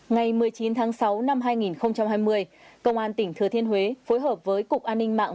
ngày một mươi chín tháng sáu năm hai nghìn hai mươi công an tỉnh thừa thiên huế phối hợp với cục an ninh mạng